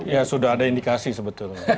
ya sudah ada indikasi sebetulnya